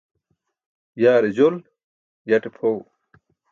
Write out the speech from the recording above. Yaare jol yate phoẏ